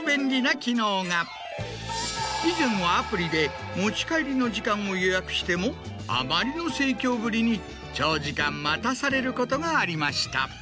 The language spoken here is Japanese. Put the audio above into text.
以前はアプリで持ち帰りの時間を予約してもあまりの盛況ぶりに長時間待たされることがありました。